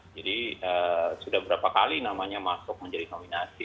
jadi sudah berapa kali namanya masuk menjadi nominasi